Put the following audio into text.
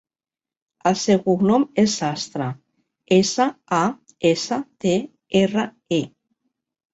El seu cognom és Sastre: essa, a, essa, te, erra, e.